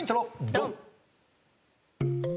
ドン！